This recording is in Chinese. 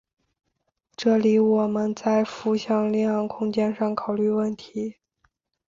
这里我们在复向量空间上考虑问题。